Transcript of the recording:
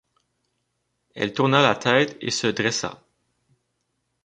Elle tourna la tête et se dressa.